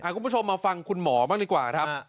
คุณผู้ชมมาฟังคุณหมอบ้างดีกว่าครับ